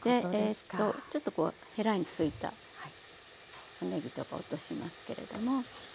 ちょっとこうヘラについたねぎとか落としますけれども。